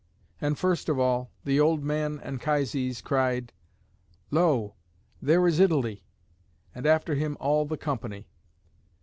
And, first of all, the old man Anchises cried, "Lo! there is Italy," and after him all the company.